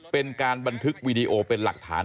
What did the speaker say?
เป็นการบันทึกวีดีโอเป็นหลักฐาน